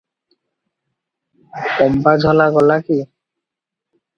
ଅମ୍ବାଝୋଲା ଗଲା କି?